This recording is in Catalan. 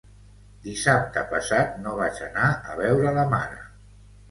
Dissabte passat no vaig anar a veure la mare